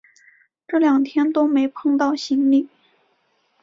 这两天都没碰到行李